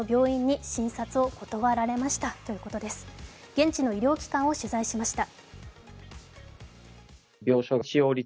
現地の医療機関を取材しました。